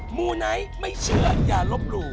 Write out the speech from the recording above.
หมู่ไหนไม่เชื่ออย่ารบรู